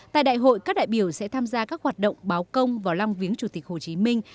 tại đại hội các đại biểu sẽ tham gia các hoạt động báo công vào lăng viếng chủ tịch hồ chí minh